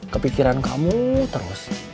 kepikiran kamu terus